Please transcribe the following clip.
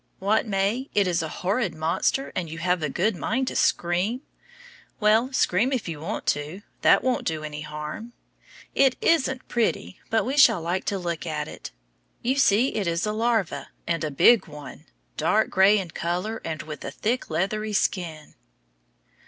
What, May? It is a horrid monster, and you have a good mind to scream? Well, scream if you want to; that won't do any harm. It isn't pretty! but we shall like to look at it. You see it is a larva and a big one, dark gray in color and with a thick leathery skin.